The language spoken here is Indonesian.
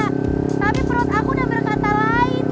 tapi perut aku udah berkata lain nih